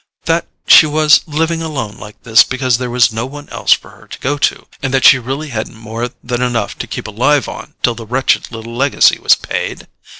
That she was living alone like this because there was no one else for her to go to, and that she really hadn't more than enough to keep alive on till the wretched little legacy was paid?